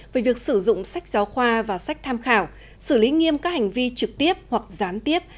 về việc sử dụng sách giáo khoa và sách tham khảo xử lý nghiêm các hành vi trực tiếp hoặc gián tiếp